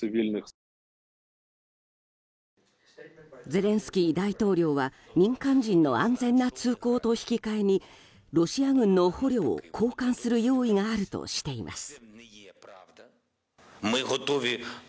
ゼレンスキー大統領は民間人の安全な通行と引き換えにロシア軍の捕虜を交換する用意があるとしています。